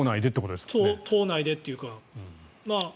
党内でというか。